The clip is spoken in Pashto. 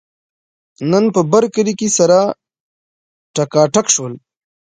نن په برکلي کې سره ټکاټک شول.